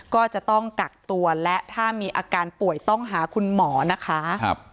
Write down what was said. ก็จะต้องกักตัวและถ้ามีอาการป่วยต้องหาคุณหมอนะคะ